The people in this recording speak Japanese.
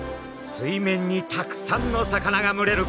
水面にたくさんの魚が群れる